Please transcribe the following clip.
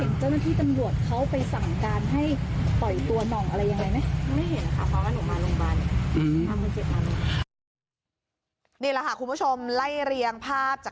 ตอนนี้เรากลัวไหมพอเจ้าหน้าที่ตำรวจเรียกมา